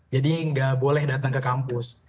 jadi nggak boleh datang ke kampus